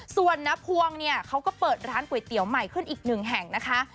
ส่วนน้าพวงเนี่ยเขาก็เปิดร้านก๋วยเตี๋ยวใหม่ขึ้นอีกหนึ่งแห่งนะคะ